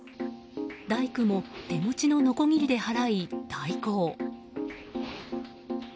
大工も手持ちののこぎりで払い、対抗。